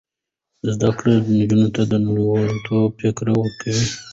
زده کړه نجونو ته د نړیوالتوب فکر ورکوي.